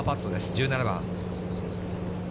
１７番。